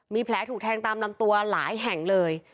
มีแผลถูกแทงตามลำตัวหลายแห่งเลย